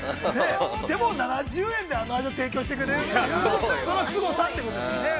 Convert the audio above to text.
でも、７０円であの味を提供してくれるんだから、そのすごさということですよね。